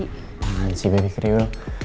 tahan sih bebek rewel